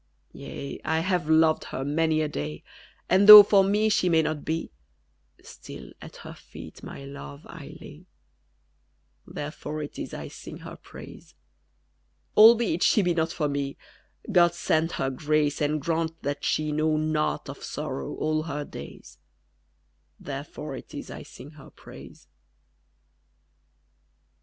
_ Yea, I have loved her many a day; And though for me she may not be, Still at her feet my love I lay: Therefore it is I sing her praise. Albeit she be not for me, GOD send her grace and grant that she Know nought of sorrow all her days: _Therefore it is I sing her praise.